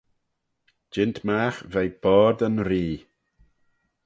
Jeant magh veih boayrd yn Ree.